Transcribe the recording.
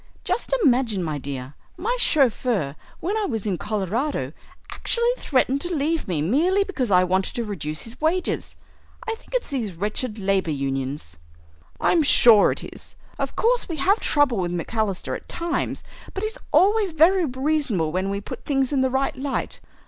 Just imagine, my dear, my chauffeur, when I was in Colorado, actually threatened to leave me merely because I wanted to reduce his wages. I think it's these wretched labour unions." "I'm sure it is. Of course we have trouble with McAlister at times, but he's always very reasonable when we put things in the right light.